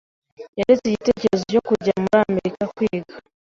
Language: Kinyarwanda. Yaretse igitekerezo cyo kujya muri Amerika kwiga.